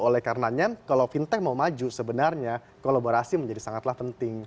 oleh karenanya kalau fintech mau maju sebenarnya kolaborasi menjadi sangatlah penting